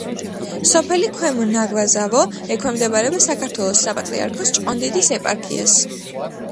სოფელი ქვემო ნაგვაზავო ექვემდებარება საქართველოს საპატრიარქოს ჭყონდიდის ეპარქიას.